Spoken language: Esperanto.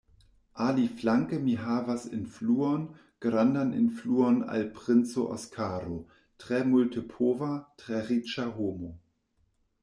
Aliflanke mi havas influon, grandan influon al princo Oskaro, tre multepova, tre riĉa homo.